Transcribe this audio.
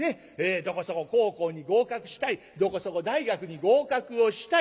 どこそこ高校に合格したいどこそこ大学に合格をしたい。